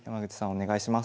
お願いします。